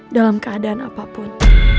dalam keadaan apapun